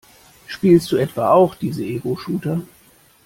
Spielst du etwa auch diese Egoshooter?